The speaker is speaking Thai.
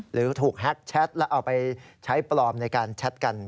หรือถูกแฮ็กแชทแล้วเอาไปใช้ปลอมในการแชทกัน